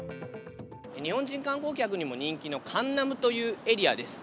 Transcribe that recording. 日本人観光客にも人気のカンナムというエリアです。